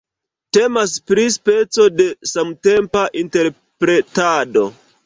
Temas pri speco de samtempa interpretado.